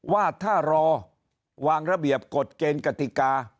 ว่าถ้ารอวางระเบียบกฎเกณฑ์กติกา